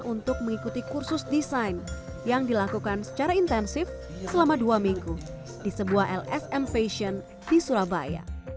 untuk mengikuti kursus desain yang dilakukan secara intensif selama dua minggu di sebuah lsm fashion di surabaya